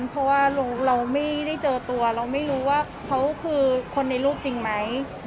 เพราะว่าเราไม่ได้เจอตัวเราไม่รู้ว่าเขาคือคนในรูปจริงไหม